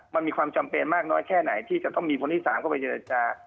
มันมีความจำเป็นมากน้อยแค่ไหนที่จะต้องมีคนที่๓เข้าไปเจรจา